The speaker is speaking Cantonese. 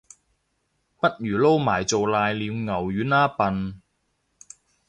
不如撈埋做瀨尿牛丸吖笨